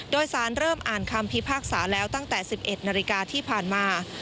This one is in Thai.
โดยสารเริ่มอ่านคำพิพากษาแล้วตั้งแต่๑๑นาฬิกาที่ผ่านมา